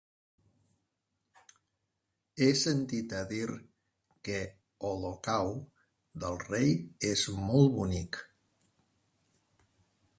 He sentit a dir que Olocau del Rei és molt bonic.